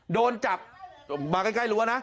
โดนจับมาใกล้รั้วนะ